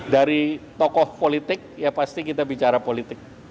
dari tokoh politik ya pasti kita bicara politik